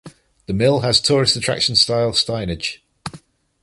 The mill has tourist attraction style signage.